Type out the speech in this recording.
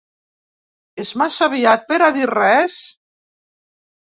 És massa aviat per a dir res?